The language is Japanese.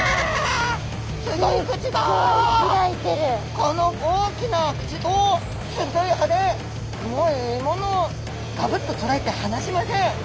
この大きな口と鋭い歯でもう獲物をガブッと捕らえて離しません。